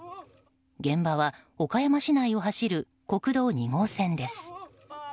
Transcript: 現場は岡山市内を走る国道２号線です。